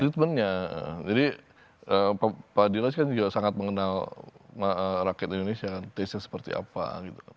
treatmentnya jadi pak dinas kan juga sangat mengenal rakyat indonesia taste nya seperti apa gitu kan